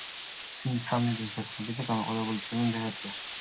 სიზმრის დაწყებიდან მოყოლებული, ფილმი ფერადია.